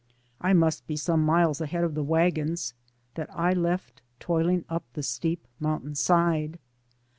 I must be some miles ahead of the wagons that I left toiling up the steep mountain side.